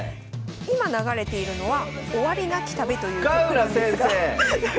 今流れているのは「終わりなき旅」という曲なんですが。